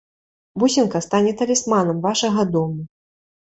Бусінка стане талісманам вашага дому.